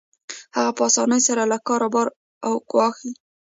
هغه په اسانۍ سره له کاره وباسي او ګواښي